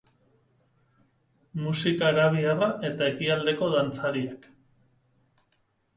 Musika arabiarra eta ekialdeko dantzariak.